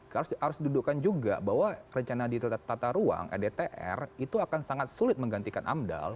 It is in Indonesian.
harus didudukkan juga bahwa rencana di tata ruang rdtr itu akan sangat sulit menggantikan amdal